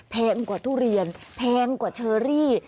แพงกว่าทุเรียนแพงกว่าเชอรี่